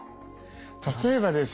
例えばですね。